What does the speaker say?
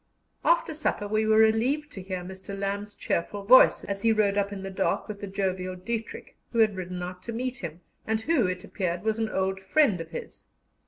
After supper we were relieved to hear Mr. Lamb's cheerful voice, as he rode up in the dark with the jovial Dietrich, who had ridden out to meet him, and who, it appeared, was an old friend of his.